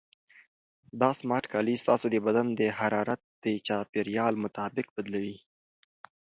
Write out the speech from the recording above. دا سمارټ کالي ستاسو د بدن حرارت د چاپیریال مطابق بدلوي.